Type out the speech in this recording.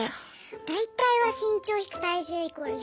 大体は身長引く体重イコール１２０。